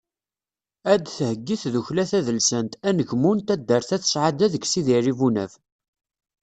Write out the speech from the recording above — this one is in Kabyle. Ad d-theyyi tdukkla tadelsant “Anegmu” n taddart At Sɛada deg Sidi Ɛli Bunab.